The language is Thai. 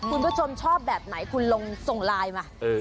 คุณผู้ชมชอบแบบไหนคุณลองส่งไลน์มา